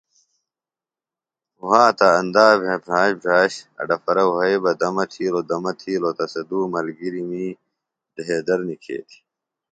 وھاتہ اندا بھےۡ بِھراش بِھراش اڈپھرہ وھئیۡ بہ دمہ تھیلوۡ دمہ تھیلوۡ تہ سےۡ دُو ملگِرمی ڈھیدڑ نکھیتیۡ